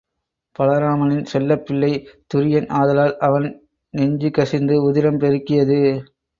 பலராமனின் செல்லப்பிள்ளை துரியன் ஆதலால் அவன் நெஞ்சு கசிந்து உதிரம் பெருக்கியது.